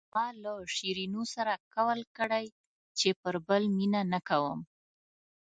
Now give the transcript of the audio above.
ما له شیرینو سره قول کړی چې پر بل مینه نه کوم.